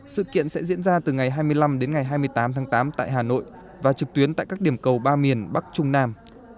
sự kiện sẽ diễn ra từ ngày hai mươi năm đến ngày hai mươi tám tháng tám tại hà nội và trực tuyến tại các điểm cầu ba miền bắc trung nam